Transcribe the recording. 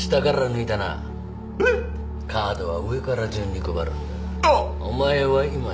カードは上から順に配るんだ。